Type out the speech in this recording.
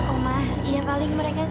oma iya paling mereka sendiri